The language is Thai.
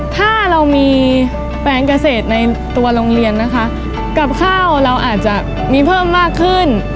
ถ้าเรามีแปลงเกษตรในตัวโรงเรียนนะคะกับข้าวเราอาจจะมีเพิ่มมากขึ้น